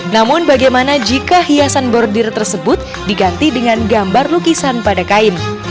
namun bagaimana jika hiasan bordir tersebut diganti dengan gambar lukisan pada kain